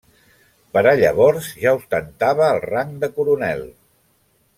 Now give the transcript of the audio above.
Per a llavors ja ostentava el rang de coronel.